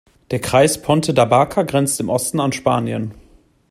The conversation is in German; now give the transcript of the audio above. Der Kreis Ponte da Barca grenzt im Osten an Spanien.